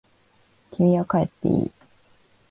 君は帰っていい。